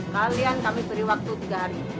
kalian kami beri waktu tiga hari